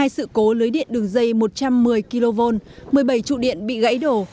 hai sự cố lưới điện đường dây một trăm một mươi kv một mươi bảy trụ điện bị gãy đổ